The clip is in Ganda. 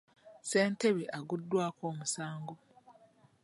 Ssentebe agguddwako omusango.